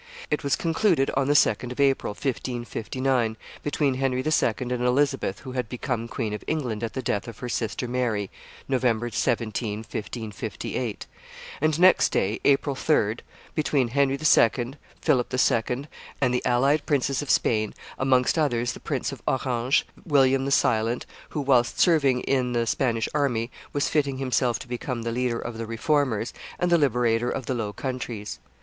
It was concluded on the 2d of April, 1559, between Henry II. and Elizabeth, who had become Queen of England at the death of her sister Mary (November 17, 1558); and next day, April 3, between Henry II., Philip II., and the allied princes of Spain, amongst others the Prince of Orange, William the Silent, who, whilst serving in the Spanish army, was fitting himself to become the leader of the Reformers, and the liberator of the Low Countries.